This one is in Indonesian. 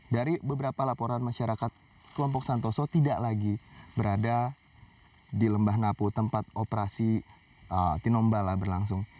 dari beberapa laporan masyarakat kelompok santoso tidak lagi berada di lembah napu tempat operasi tinombala berlangsung